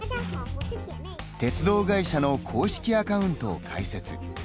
鉄道会社の公式アカウントを開設。